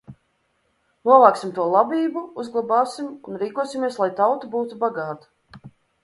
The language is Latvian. Novāksim to labību, uzglabāsim un rīkosimies, lai tauta būtu bagāta!